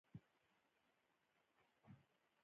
ما ځان د مرغۍ په پښه پورې وتړه.